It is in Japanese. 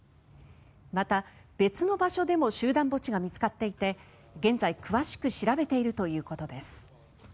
また、別の場所でも集団墓地が見つかっていて現在、詳しく調べているということです。